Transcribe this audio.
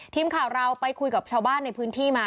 ทีมข่าวเราไปคุยกับชาวบ้านในพื้นที่มา